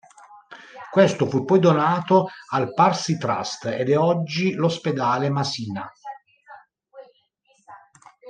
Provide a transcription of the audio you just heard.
Questo fu poi donato al Parsi Trust ed è oggi l'Ospedale Masina.